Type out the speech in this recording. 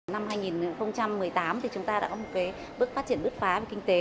năm hai nghìn một mươi tám chúng ta đã có một bước phát triển bước phá về kinh tế